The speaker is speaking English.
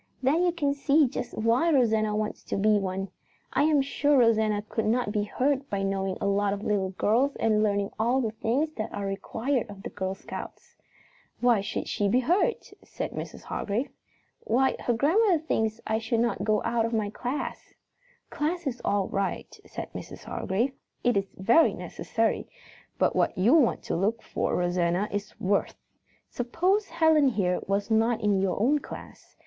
Then you can see just why Rosanna wants to be one. I am sure Rosanna could not be hurt by knowing a lot of little girls and learning all the things that are required of the Girl Scouts." "Why should she be hurt?" said Mrs. Hargrave. "Why, grandmother thinks I should not go out of my class." "Class is all right," said Mrs. Hargrave. "It is very necessary, but what you want to look for, Rosanna, is worth. Suppose Helen here was not in your own class.